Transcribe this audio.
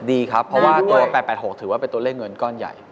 ดีครับเพราะว่าตัว๘๘๖ถือว่าเป็นตัวเลขเงินก้อนใหญ่